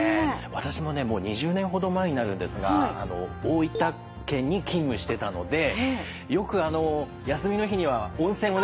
私もねもう２０年ほど前になるんですが大分県に勤務してたのでよく休みの日には温泉をね